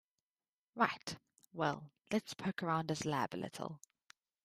Right, well let's poke around his lab a little.